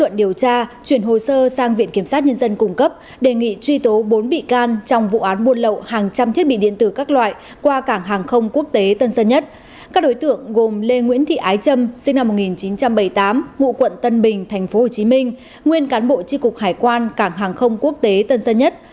nguyễn thị ái trâm sinh năm một nghìn chín trăm bảy mươi tám mụ quận tân bình tp hcm nguyên cán bộ tri cục hải quan cảng hàng không quốc tế tân sơn nhất